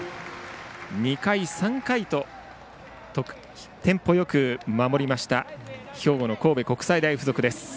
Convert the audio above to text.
２回、３回とテンポよく守りました兵庫の神戸国際大付属。